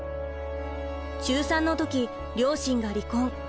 中３の時両親が離婚。